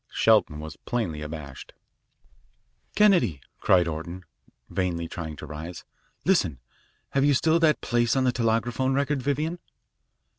Shelton was plainly abashed. "Kennedy," cried Orton, vainly trying to rise, "listen. Have you still that place on the telegraphone record, Vivian?"